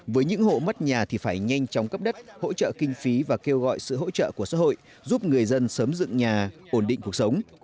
với những hộ mất nhà thì phải nhanh chóng cấp đất hỗ trợ kinh phí và kêu gọi sự hỗ trợ của xã hội giúp người dân sớm dựng nhà ổn định cuộc sống